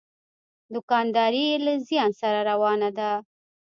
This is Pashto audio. دوکانداري یې له زیان سره روانه ده.